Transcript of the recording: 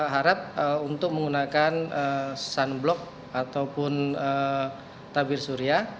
harap untuk menggunakan sunblock ataupun tabir surya